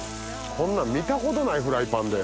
こんなん見たことないフライパンで。